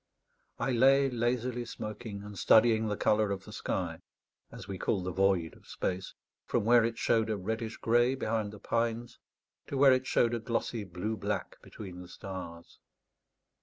I lay lazily smoking and studying the colour of the sky, as we call the void of space, from where it showed a reddish grey behind the pines to where it showed a glossy blue black between the stars.